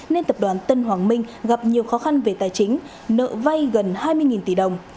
nên tập đoàn tân hoàng minh gặp nhiều khó khăn về tài chính nợ vay gần hai mươi tỷ đồng